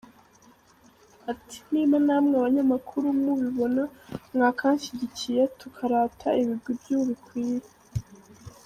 Ati : niba namwe abanyamakuru mubibona mwakanshyigikiye tukarata ibigwi by’ubikwiye.